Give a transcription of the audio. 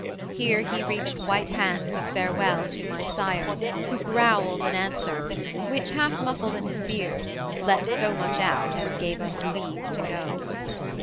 Here he reached White hands of farewell to my sire, who growled An answer which, half muffled in his beard, Let so much out as gave us leave to go.